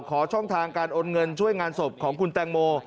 ช่องทางการโอนเงินช่วยงานศพของคุณแตงโม